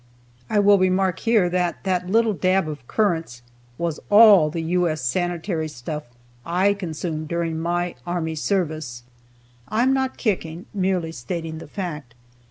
I will remark here that that little dab of currants was all the U.S. Sanitary stuff I consumed during my army service. I am not kicking; merely stating the fact.